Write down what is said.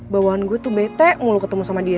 bawaan gue tuh bete mulu ketemu sama dia